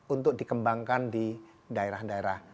untuk dikembangkan di daerah daerah